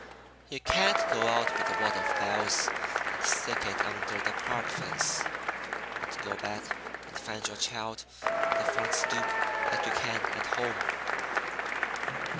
You can't go out with a wad of bills and stick it under the park fence, and go back and find your child on the front stoop like you can at home."